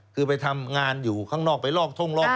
คือไปทำงานอยู่ข้างนอกไปลอกท่งลอก